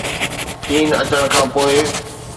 چين اچڻ کان پوءِ